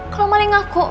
kalau maling ngaku